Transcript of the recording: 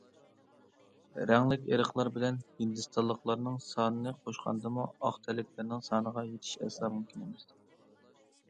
رەڭلىك ئىرقلار بىلەن ھىندىستانلىقلارنىڭ سانىنى قوشقاندىمۇ ئاق تەنلىكلەرنىڭ سانىغا يېتىش ئەسلا مۇمكىن ئەمەس.